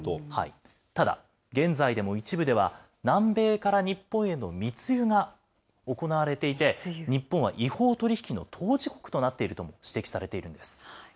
ただ、現在でも一部では南米から日本への密輸が行われていて、日本は違法取り引きの当事国となっていると指摘されているんです。